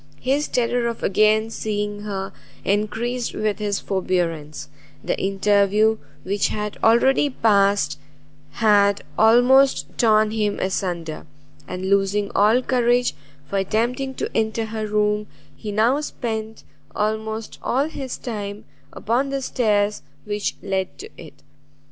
His terror of again seeing her encreased with his forbearance; the interview which had already past had almost torn him asunder, and losing all courage for attempting to enter her room, he now spent almost all his time upon the stairs which led to it.